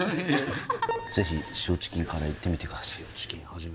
ぜひ塩チキンカレーいってみてください